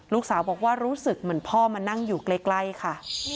ลูกสาวบอกว่ารู้สึกเหมือนพ่อมานั่งอยู่ใกล้ค่ะ